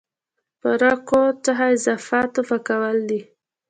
فرقو څخه اضافاتو پاکول دي.